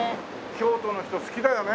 京都の人好きだよね